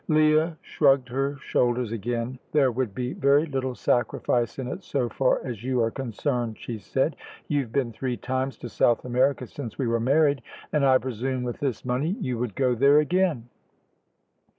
Leah shrugged her shoulders again. "There would be very little sacrifice in it so far as you are concerned," she said. "You've been three times to South America since we were married, and I presume with this money you would go there again."